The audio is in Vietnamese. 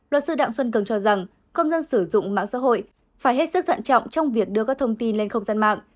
luật sư đặng xuân cường cho rằng công dân sử dụng mạng xã hội phải hết sức thận trọng trong việc đưa các thông tin lên không gian mạng